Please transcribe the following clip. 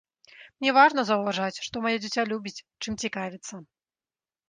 Мне важна заўважаць, што маё дзіця любіць, чым цікавіцца.